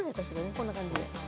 こんな感じで。